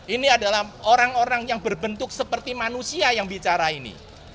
ini adalah orang orang yang berbentuk seperti manusia yang bicara ini